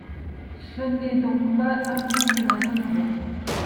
Ce n'est donc pas un pays de la zone euro.